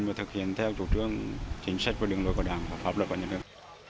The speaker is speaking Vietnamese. và thực hiện theo chủ trương chính sách và đường lối của đảng và pháp luật của nhân dân